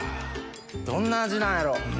どんな味なんやろ。